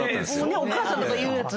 おかあさんとか言うやつ。